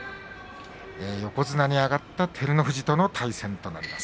横綱に上がった照ノ富士との対戦となります。